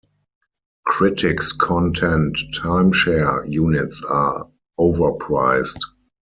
Critics contend timeshare units are overpriced.